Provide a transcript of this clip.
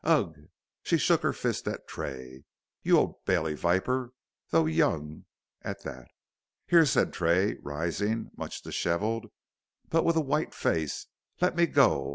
Ugh!" she shook her fist at Tray. "You Old Bailey viper, though young at that." "Here," said Tray, rising, much dishevelled, but with a white face, "let me go.